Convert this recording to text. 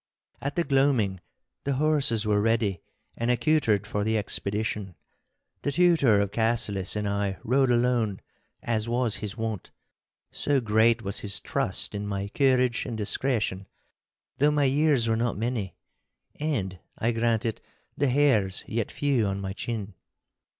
At the gloaming the horses were ready and accoutred for the expedition. The Tutor of Cassillis and I rode alone, as was his wont—so great was his trust in my courage and discretion, though my years were not many, and (I grant it) the hairs yet few on my chin.